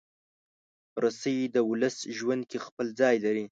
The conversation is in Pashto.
رسۍ د ولس ژوند کې خپل ځای لري.